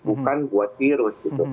bukan buat virus gitu